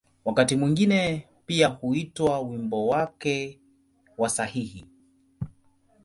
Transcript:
Wakati mwingine pia huitwa ‘’wimbo wake wa sahihi’’.